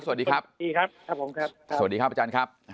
สวัสดีครับสวัสดีครับครับผมครับสวัสดีครับอาจารย์ครับ